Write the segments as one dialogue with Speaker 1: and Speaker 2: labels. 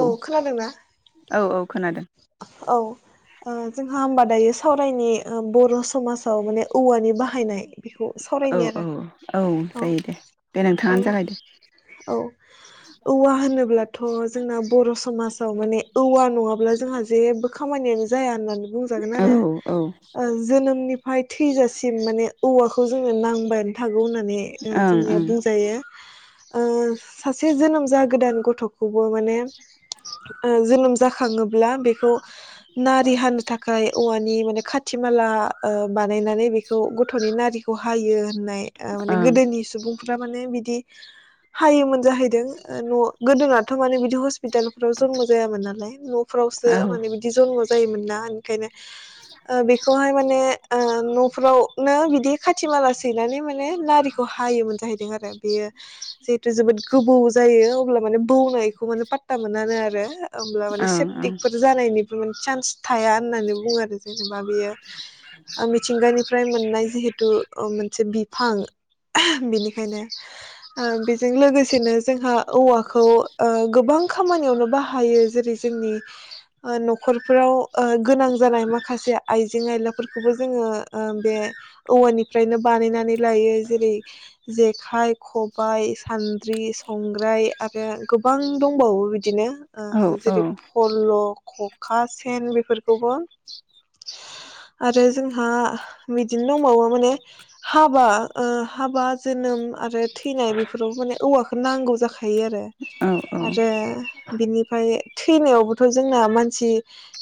Speaker 1: औ खोनादोंना
Speaker 2: औ औ खोनादों
Speaker 1: औ ओ जों होमबा दायो सावरायनि ओ बर' समाजाव माने औवानि बाहायनाय बेखौ
Speaker 2: औ
Speaker 1: सावरायनि
Speaker 2: औ
Speaker 1: आरो औ
Speaker 2: जायो दे दे
Speaker 1: औ
Speaker 2: नोंथाङानो जागायदो
Speaker 1: औ औवा होनोब्लाथ' जोंना बर' समाजाव माने औवा नङाब्ला जोंहा जेबो खामानियानो जाया होननानै बुंजागोन आरो
Speaker 2: औ
Speaker 1: ओ जोनोमनि फाय थैजासिम माने औवाखौ जोंनो नांबायानो थागौ होननानै जोङो
Speaker 2: ओं ओं
Speaker 1: जोंनिया बुंजायो ओ सासे जोनोम जागोदान गथ' खौबो माने ओ जोनोम जाखाङोब्ला बे खौ नारि हानो थाखाय औवानि माने खाथि माला ओ बानायनानै बेखौ गथ'नि नारिखौ हायो नाय माने गोदोनि सुबुं फोरा माने बिदि हायोमोन जाहै दो ओ न' गोदोनाथ' माने बिदि हस्पितालफोराव जन्म जायामोन नालाय न'फ्रावस ओ
Speaker 2: ओं औ ओं
Speaker 1: माने बिदि जनम' जायोमोन ना ओंखायनो ओ बेखौहाय माने ओ न'फ्रावनो बिदि खाथिमाला सैनानै माने नारिखो हायोमोन जाहैदों आरो बेयो जेहेतु जोबोद गोबोव जा बेयो अब्ला माने बौनायखौ माने पात ता मोनानो आरो होमब्ला माने सेप
Speaker 2: ओं
Speaker 1: तेकफोर जानायनिबो मोनसे चान्स थाया होननानै बुङो आरो जेनेबा बेयो ओ मिथिंगानिफ्राय मोननाय जिहेतु मोनसे बिफां बेनिखायनो ओं बेजों लोगोसेनो जोंहा औवाखौ ओ गोबां खामानियावनो बाहायो जेरै जोंनि ओ न'खरफोराव ओ गोनां जानाय माखासे आइजें आयलाफोरखौबो जोङो बे औवानिफ्रायनो बानायनानै लायो जेरै जेखाइ खबायाइ सान्द्रि संग्राय आरो गोबां दंबावो बिदिनो
Speaker 2: औ
Speaker 1: ओ जेरै लखखा सेन बेफोरखौबो आरो जोंहा बिदिनो दंबावो माने हाबा हाबा जोनोम आरो। थैनाय बेफोराव माने औवाखौ नांगौ जाखो थायो आरो
Speaker 2: औ
Speaker 1: आरो
Speaker 2: औ
Speaker 1: बिनिफ्राय थैनायाव थ' जोंना मानसि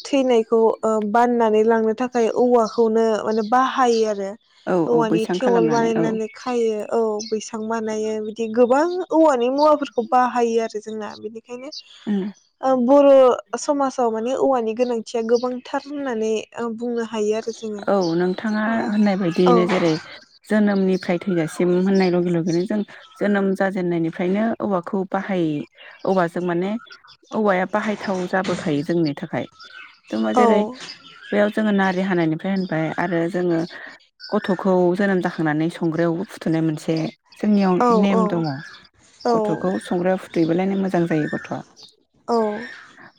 Speaker 1: थैनायखौ ओ बाननानानै लांनो थाखाय औवाखौनो माने बाहायो आरो
Speaker 2: औ औ
Speaker 1: औवानि
Speaker 2: बैसां
Speaker 1: थेवल
Speaker 2: खालामनानै औ
Speaker 1: बानायनानै खायो औ बैसां बानायो बिदि गोबां औवानि मुवाफोरखौ खौ बाहायो आरो जोंना बेनि नो बर'। समाजाव माने औवानि गोनांथिया गोबांथार होननानै आ बुंनो ह
Speaker 2: औ नोंथाङा होननाय
Speaker 1: औ
Speaker 2: बायदियैनो जेरै जोनोमनि जोनोमनिफ्राय थैजासिम होननाय लगे लगेनो जों जोनोम जाजेननायनिफ्रायनो औवाखौ बाहायो औवाजों माने औवाया बाहायथाव जाबोखायो जोंनि थाखाय जोंङो
Speaker 1: औ
Speaker 2: जेरै बेयाव जोङो ना। नारि हानायनिफ्राय होनबाय आरो जोङो गथ'खौ जोनोम जाखांनानै संग्रायावबो फुथुनाय मोनसे जोंनियाव
Speaker 1: औ
Speaker 2: नेम दङ
Speaker 1: औ
Speaker 2: गथ'खौ संग्राया फुथुयोबालायनो मोजां मोजां जायो गथ'आ।
Speaker 1: औ।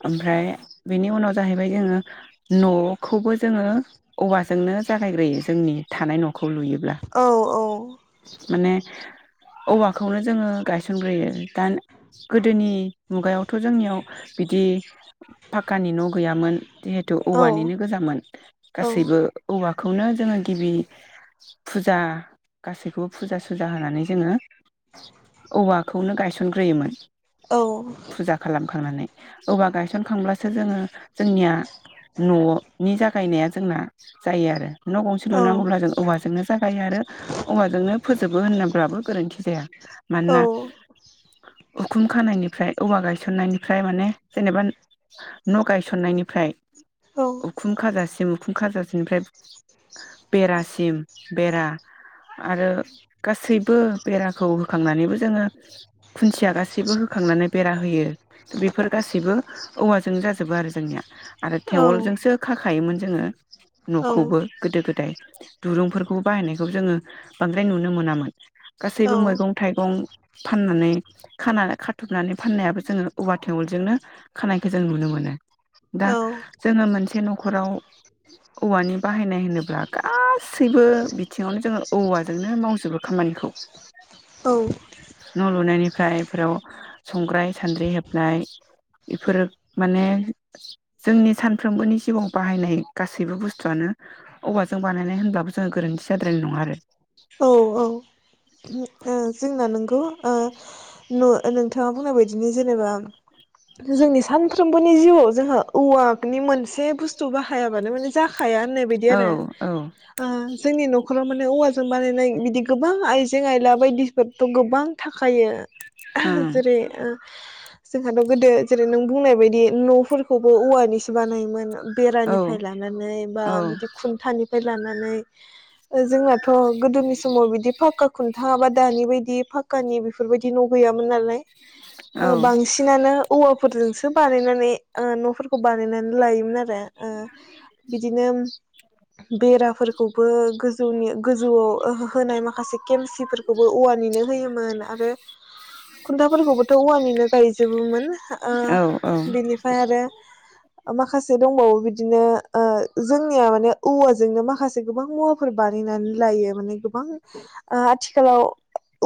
Speaker 2: ओमफ्राय बेनि उनाव जाहैबाय जोङो न'खौबो जोङो औवाजोंनो जागायग्रोयो जोंनि थानाय न'खर न'खौ लुयोब्ला माने औवाखौनो जोङो गाय थिसनग्रोयो दा गोदोनि मुगायाव ' जोंनियाव बिदि फाकानि न'। गैयामोन जिहेथु
Speaker 1: औ
Speaker 2: औवानिनो गोजामोन गासैबो औ। औवाखौनो जोङो गिबि फुजा गासैखौबो फुजा सुजा होनानै जोङो औवाखौनो गायसन सनग्रायोमोन फुजा खालामखांनानै औवा गायसनखांब्लासो जोंङो जोंनिया न'नि जा गायनाया जोंना जायो आरो। न' गंसे
Speaker 1: औ
Speaker 2: लुनांगौब्ला जों औवाजोंनो जागायो आरो औवाजोंनो फोजोबो होनब्लाबो गोरोन्थि जाया।
Speaker 1: औ
Speaker 2: मानोना उखुम खानायनिफ्राय औवा गायसननायनिफ्राय माने जेनेबा न' गायस'ननायनिफ्राय उखुम खाजा सिम उखुम खाजासेनिफ्राय बेरासिम बेरा आरो गासैबो बेराखौ होखांनानैबो जोङो खुनथिया गासैबो होखांनानै बेरा होयो बेफोर गासैबो औवाजों जाजोबो आरो जोंनिया आरो थेवलजोंसो खाखायोमोन जोङो
Speaker 1: औ
Speaker 2: न'खौबो गोदो गोदाय। दुरुंफोरखौ बाहायनायखौ जोङो बांद्राय नुनो मोनामोन।
Speaker 1: औ
Speaker 2: गासैबो मैगं थाइगं फाननानै खाना खाथुमनानै फाननायाबो जोङो औवा थेवोलजोंनो खानायखौ जों नुनो मोनो। दा जोङो मोनसे न'ख ख'राव औवानि बाहायनाय होनोब्ला गा सैबो बिथिङावनो जोङो औवाजोंनो मावजोबो खामानिखौ
Speaker 1: औ
Speaker 2: न' लुनायनिफ्राय फोराव संग्राय सान्द्रि हेबनाय बेफोरो माने जोंनि सानफ्रोमबोनि जिउआव बाहायनाय गासैबो बुस्थुआनो औवाजों बानायनाय होनब्लाबो जोङो गोरोन्थि जाद्रायनाय नङा आरो।
Speaker 1: औ औ। [unintelligible] जोंना नोंगौ ओ नो-नोंथाङा बुंनाय बायदिनो जेनेबा जोंनि सानफ्रोमबोनि जिउआव जोंहा औवानि मोनसे बुस्थु बाहायाबानो माने जा खाया होननाय बिदि आरो
Speaker 2: औ औ ओं
Speaker 1: ओ जोंनि नखरा माने औवा जों बानायनाय बिदि गोबां आइजें आयला बायदिफोरथ' गोबां थाखायो जेरै ओ जोंहाथ' गोदो जेरै नों बुंनाय बायदि न'फोरखौबो औवानिसो बानायोमोन।
Speaker 2: औ
Speaker 1: बेरानिफ्राय लानानै बा बिदि खुन्थानिफाय लानानै ओ जोंहा गोदोनि समाव बिदि फाक्का खुन्था बा दानि बायदि फाक्कानि बेफोरबायदि न' गैयामोन नालाय ओ बांसिनानो औवाफोरजोंसो बानायनानै ओ न'फोरखौ बानायनानै लायोमोन आरो। ओ बिदिनो बेराफोरखौबो गोजौनि जौआव होनाय माखासे केमसिफोरखौबो औवानिनो होयोमोन आरो खुथाफोरखौबोथ' औवानिनो गायजोबोन ओ
Speaker 2: औ औ
Speaker 1: बेनिफाय आरो ओ माखासे दंबावो बिदिनो ओ जोंनिया माने औवाजोंनो माखासे गोबां मुवाफोर बानाय लायो माने गोबां ओ आथि आथिखालाव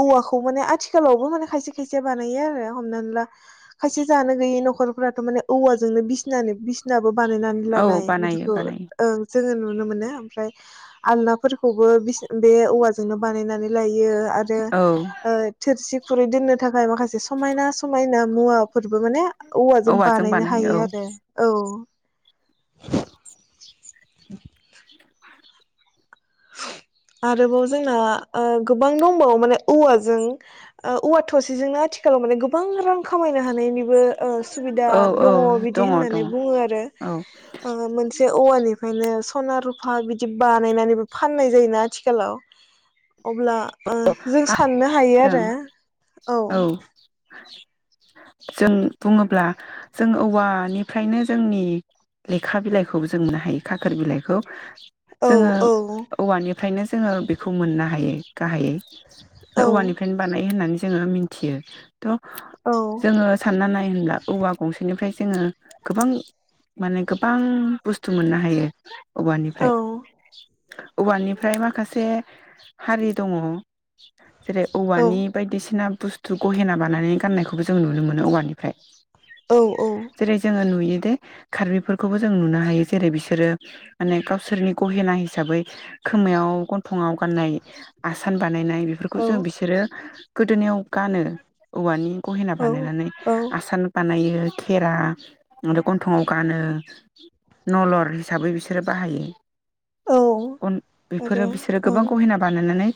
Speaker 1: औवाखौ माने आथिखालावबो माने खायसे खायसे बानायो आरो हमनानै ला खायसे जानो गैयै न'खरफोराथ' माने औवाजोंनो बिसि बिसिना बानायनानै
Speaker 2: औ
Speaker 1: लानाय
Speaker 2: बानायो
Speaker 1: बिदिखौ
Speaker 2: बानायो
Speaker 1: ओ जोङो नुनो मोनो ओमफ्राय आलनाफोरखौ बो बिसिनि बे औवाजोंनो बानायनानै लायो आरो
Speaker 2: औ
Speaker 1: ओ थोरसि खुरै दोननो थाखाय माखासे समायना समायना मुवा फोरबो माने औवाजों बानायनो हायो आरो औ
Speaker 2: [inaudible]
Speaker 1: [unintelligible] आरोबाव जोंना ओ गोबां दंबावो माने औवाजों ओ औवा थसेजोंनो आथिखालाव माने गोबां रां खामायनो हानायनि ओ सुबिदा
Speaker 2: औ औ
Speaker 1: दङ बिदि
Speaker 2: दङ औ मा
Speaker 1: होननानै
Speaker 2: होनदों
Speaker 1: बुङो आरो ओ मोनसे औवानिफ्रायनो सना रुफा हा बिदि बानायनानै फाननाय जायोना आथिखालाव अब्ला ओ जों साननो हायो
Speaker 2: ओं
Speaker 1: आरो
Speaker 2: औ जों बुङोब्ला जों औवानिफ्रायनो जोंनि लेखा बिलाइखौबो जों मोननो हायो खाखोर बिलाइखौ
Speaker 1: औ
Speaker 2: जोङो
Speaker 1: औ
Speaker 2: औवानिफ्रायनो ज जोङो बेखौ मोननो हायो गाहायै
Speaker 1: औ
Speaker 2: औवानिफ्रायनो बानायो होननानै जोङो मिथियो थ'
Speaker 1: औ
Speaker 2: जोङो सानना नाय होनब्ला औवा गंसेनिफ्राय जोङो गोबां माने गोबां बुस्थु मोननो हायो औवानिफ्राय औवानिफ्राय माखासे हारि दङ जेरै
Speaker 1: औ
Speaker 2: औवानि बायदिसिना बुस्थु गहेना बानायानानै गाननायखौबो जों नुनो मोनो औवानिफ्राय
Speaker 1: औ औ
Speaker 2: जेरै जोङो नुयो जे खार्बिफोरखौबो जों नुनो हायो जेरै- बिसोरो माने गावसोरनि गहेना हिसाबै खोमायाव गन्थंआव गाननाय आसान बानायनाय खौ
Speaker 1: औ
Speaker 2: जों बिसोरो गोदोनायाव गानो औवानि गहेना
Speaker 1: औ
Speaker 2: बानायनानै आसान बानायो खेरा आरो गन्थंआव गानो नलर हिसाबै बिसोरो बाहायो
Speaker 1: औ
Speaker 2: गन बेफोरो
Speaker 1: आरो
Speaker 2: बिसोरो गोबां
Speaker 1: ओं
Speaker 2: गहेना बानायनानै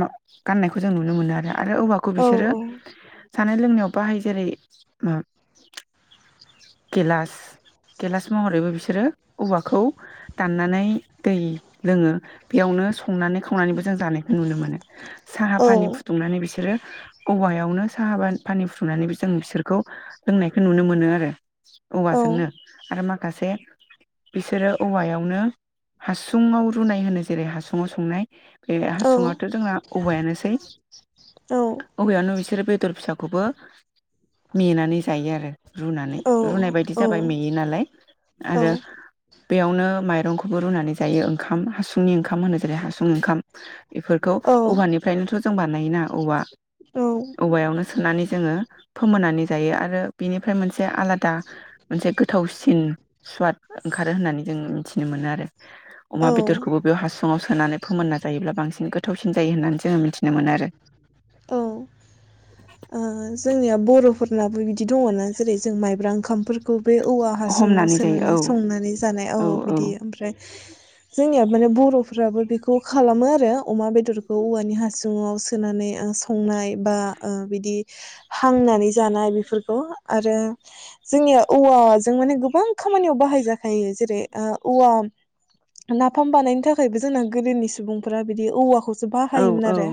Speaker 2: मा गाननायखौ जों नुनो मोनो आरो आरो औवाखौ
Speaker 1: औ
Speaker 2: बिसोरो जानाय लोंनायाव बाहायो जेरै- ओम गेलास गेलास महरैबो बिसोरो औवाखौ दाननानै दै लोङो बेयावनो संनानै खावनानैबो जों जानायखौ नुनो मोनो। साहा
Speaker 1: औ
Speaker 2: फानि फुदुंनानै बिसोरो औवायावनो साहा बा फानि फुथुंनानैबो जों बिसोरखौ लोंनायखौ नुनो मोनो आरो। औवाजोंनो आरो माखासे बिसोरो औवायावनो हासुङाव रुनाय होनो जेरै हासुुंआव संनाय बे
Speaker 1: औ
Speaker 2: हासुङाथ जोंना औवायानोसै
Speaker 1: औ
Speaker 2: औवायावनो बिसोर बेदर फिसाखौबो मेनानै जायो आरो। रुनानै
Speaker 1: औ
Speaker 2: रुनाय बायदि जाबाय मेयो नालाय
Speaker 1: औ औ
Speaker 2: आरो बेयावनो माइरंखौबो रुनानै जायो ओंखाम हासुंनि ओंखाम होनो जेरै हासुं ओंखाम इफोर
Speaker 1: औ
Speaker 2: औवानिफ्रायनोथ जों बानायोना औवा औवायावनो सोनानै जोङो फोमोनानै जायो आरो बेनिफ्राय मोनसे आलादा मोनसे गोथावसिन सुवाद ओंखारो होननानै जों मिथिनो मोनो आरो। अमा बेदरखौबो बेयाव हासुङाव सोनानै फोमोनना जायोब्ला बांसिन गो थावसिन जायो होननानै जोङो मिथिनो मोनोआरो।
Speaker 1: औ ओ जोंनिया बरफोरनाबो बिदि दङ ना जेरै जों माइब्रा ओंखामफोरखौ बे औवा हासुङाव
Speaker 2: हमनानै जायो
Speaker 1: सोनानै
Speaker 2: औ
Speaker 1: संनानै जानाय। औ बिदि आमफ्राय जोंनिया माने बर'फ्राबो बेखौ खालामो आरो अमा बेदरखौ औवानि हासुङाव सोनानै ओ संनाय बा ओ बिदि हांनानै जानाय बेफोरखौ आरो जोंनिया औवाजों माने गोबां खामानियाव बाहायजाखायो जेरै- ओ औवा नाफाम बानायनो थाखायबो जोंना गोदोनि सुबुंफोरा बिदि औवाखौ जे
Speaker 2: औ
Speaker 1: बाहायोमोन आरो।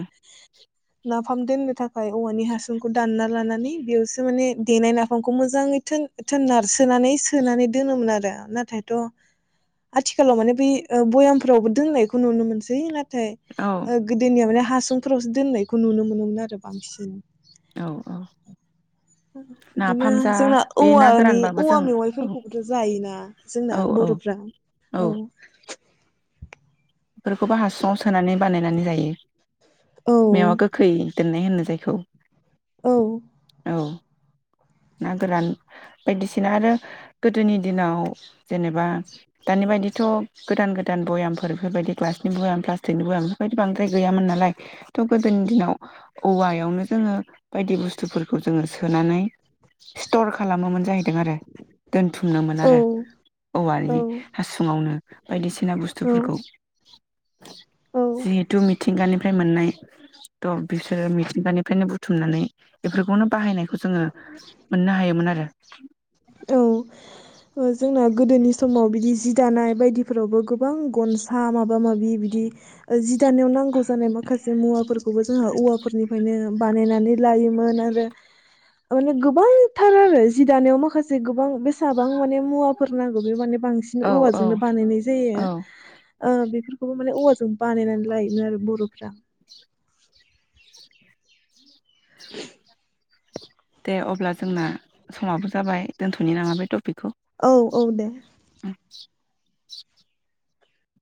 Speaker 1: नाफाम दोननो थाखाय औवानि हासुंखौ दानना लानानै बेयावसो माने देनाय नाफामखौ मोजाङै थोन थोन नारसोनानै सोनानै दोनोमोन आरो नाथायथ आथिखालाव माने बै बयामफ्रावबो दोननायखौ नुनो मोनसै नाथ थाय
Speaker 2: औ
Speaker 1: ओ गोदोनिया माने हा सुंफोरावसो दोननाय खौ नुनो मोनोमोन आरो बांसिन
Speaker 2: औ औ
Speaker 1: बिदिनो
Speaker 2: नाफाम जा
Speaker 1: जोंना
Speaker 2: बे ना
Speaker 1: औवानि
Speaker 2: गोरानबाबो
Speaker 1: औवा
Speaker 2: जों औ
Speaker 1: मेवाइफोरखौबोथ जायोना जोंना
Speaker 2: औ औ
Speaker 1: बरफ्रा औ
Speaker 2: बेफोरखौबो हासु सुंआव सोनानै बानायनानै जायो
Speaker 1: औ
Speaker 2: मेवा गोखै दोननाय होनो जायखौ
Speaker 1: औ
Speaker 2: औ ना गोरान बायदिसिना आरो गोदोनि दिनाव जेनेबा दानि बायदिथ गोदान गोदान भयामफोर बेफोरबायदि ग्लासनि भयाम प्लास्टिकनि बयाम बेफोरबायदि बांद्राय गैयामोन नालाय थ गोदोनि दिनाव औवायावनो जोङो बायदि बुस्थुफोरखौ जोङो सोनानै स्टर खालामोमोन जाहै दों आरो दोनथुमोमोन
Speaker 1: औ
Speaker 2: आरो औवानि हासुङावनो बायदिसि सिना
Speaker 1: औ
Speaker 2: बुस्थुफोरखौ
Speaker 1: औ
Speaker 2: जिहेथु मिथिंगानिफ्राय मोननाय थ' बिसोरो मिथिंगानिफ्रायनो बुथुमनानै बेफोरखौनो बाहायनाय खौ जोङो मोननो हायोमोन आरो
Speaker 1: औ जोंना गोदोनि समाव बिदि जि दानाय बायदिफोरावबो गोबां गनसा माबा माबा माबि बिदि जि दानायाव नांगौ जानाय माखासे मुवाफोरखौबो जोंहा औवाफोरनिफ्रायनो बानायनानै लायोमोन आरो अ लोगोब बांथार आरो जि दानायाव माखासे गोब बां बेसाबां माने मुवाफोर नांगौ बे माने बांसिन
Speaker 2: औ औ
Speaker 1: औवाजोंनो बानायनाय जायो
Speaker 2: औ
Speaker 1: ओ बेफोरखौबो माने औवाजों बानायनानै लायोमोन आरो बर'फ्रा [inaudible]
Speaker 2: दे अब्ला जोंना समाबो जाबाय दोनथ'नि नामा बे टपिक
Speaker 1: औ औ दे